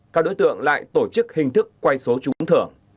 các đối tượng lại tổ chức hình thức quay số trúng thưởng